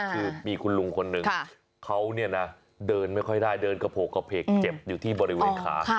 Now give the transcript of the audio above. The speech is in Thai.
คือมีคุณลุงคนหนึ่งเขาเนี่ยนะเดินไม่ค่อยได้เดินกระโพกกระเพกเจ็บอยู่ที่บริเวณขา